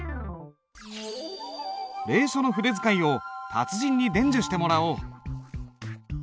隷書の筆使いを達人に伝授してもらおう。